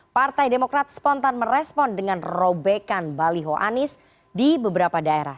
partai demokrat spontan merespon dengan robekan baliho anies di beberapa daerah